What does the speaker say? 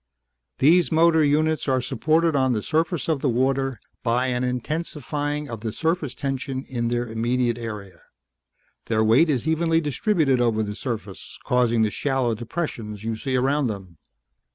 These motor units are supported on the surface of the water by an intensifying of the surface tension in their immediate area. Their weight is evenly distributed over the surface, causing the shallow depressions you see around them.